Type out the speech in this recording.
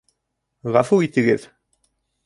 — Ғәфү итегеҙ!